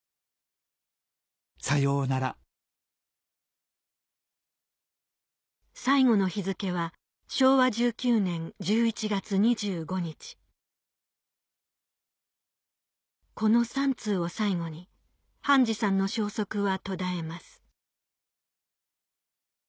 「サヨーナラ」最後の日付は昭和１９年１１月２５日この３通を最後に半次さんの消息は途絶えます